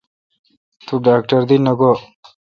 توڈاکٹر دی نہ گوا؟